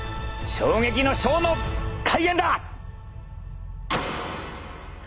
衝撃のショーの開演だ！